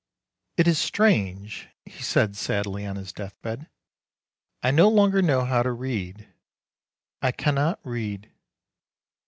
"It is strange," he said sadly on his death bed, "I no longer know how to read ; I cannot read."